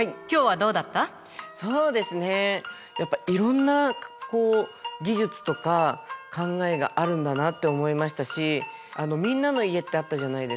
そうですねやっぱいろんなこう技術とか考えがあるんだなって思いましたしみんなの家ってあったじゃないですか。